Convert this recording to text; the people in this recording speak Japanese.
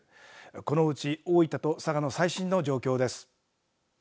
このうち大分と佐賀の最新の状況です。